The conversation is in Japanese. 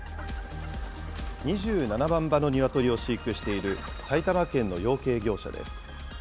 ２７万羽のニワトリを飼育している埼玉県の養鶏業者です。